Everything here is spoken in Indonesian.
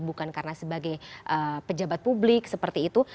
bukan karena sebagai pejabat publik seperti itu